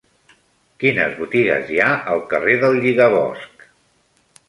Quines botigues hi ha al carrer del Lligabosc?